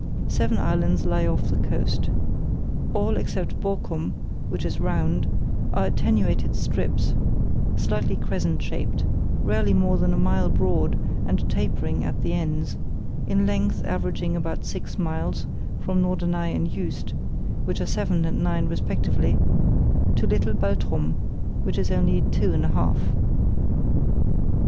Seven islands lie off the coast. All, except Borkum, which is round, are attenuated strips, slightly crescent shaped, rarely more than a mile broad, and tapering at the ends; in length averaging about six miles, from Norderney and Juist, which are seven and nine respectively, to little Baltrum, which is only two and a half.